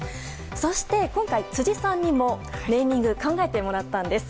そして今回、辻さんにもネーミング考えてもらったんです。